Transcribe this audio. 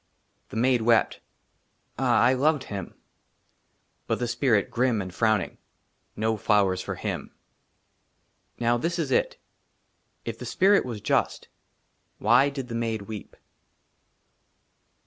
THE MAID WEPT :" AH, I LOVED HIM." BUT THE SPIRIT, GRIM AND FROWNING I '* NO FLOWERS FOR HIM." NOW, THIS IS IT IF THE SPIRIT WAS JUST, WHY DID THE MAID WEEP